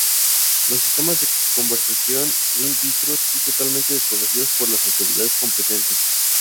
Los sistemas de conservación in vitro son totalmente desconocidos por las autoridades competentes.